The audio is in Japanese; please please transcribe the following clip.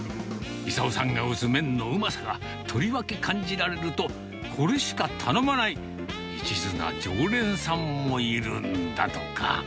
功さんが打つ麺のうまさがとりわけ感じられると、これしか頼まない、いちずな常連さんもいるんだとか。